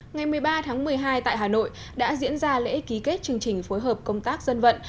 ngày một mươi ba tháng một mươi hai tại hà nội đã diễn ra lễ ký kết chương trình phối hợp công tác dân vận